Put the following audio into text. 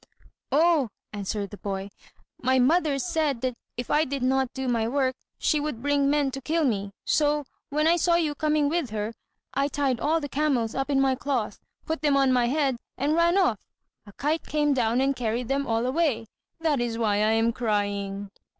"Oh," answered the boy, "my mother said that if I did not do my work, she would bring men to kill me. So, when I saw you coming with her, I tied all the camels up in my cloth, put them on my head, and ran off. A kite came down and carried them all away. That is why I am crying."